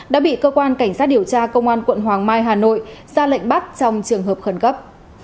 đã bị cơ quan cảnh sát điều tra công an quận hoàng mai hà nội ra lệnh bắt trong trường hợp khẩn cấp